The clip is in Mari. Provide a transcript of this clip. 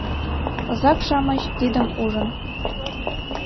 Озак-шамыч, тидым ужын